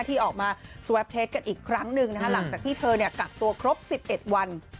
ที่ออกมาสวอปเทรดกันอีกครั้งหนึ่งนะคะหลังจากที่เธอกักตัวครบ๑๑วัน